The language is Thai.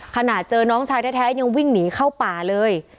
ขนาดเจอน้องชายแท้ยังวิ่งหนีเข้าป่าเลย